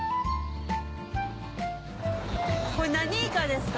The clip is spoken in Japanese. これ何イカですか？